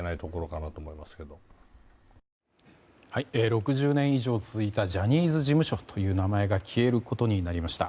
６０年以上続いたジャニーズ事務所という名前が消えることになりました。